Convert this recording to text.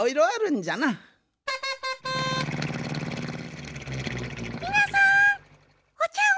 みなさん！